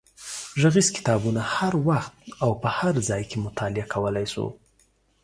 غږیز کتابونه هر وخت او په هر ځای کې مطالعه کولای شو.